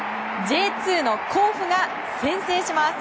Ｊ２の甲府が先制します。